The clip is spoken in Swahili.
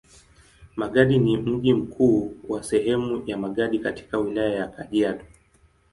Magadi ni mji mkuu wa sehemu ya Magadi katika Wilaya ya Kajiado.